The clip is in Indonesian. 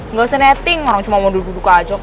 nggak usah netting orang cuma mau duduk duduk aja